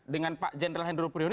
dengan pak general hendro priyoni